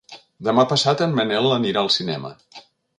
Demà passat en Manel anirà al cinema.